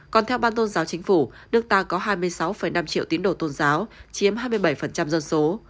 còn theo ban tôn giáo chính phủ nước ta có hai mươi sáu năm triệu tín đồ tôn giáo chiếm hai mươi bảy dân số